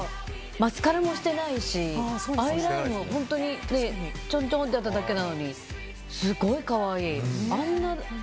マスカラもしてないしアイラインも本当にちょんちょんとやっただけなのにすごい可愛い。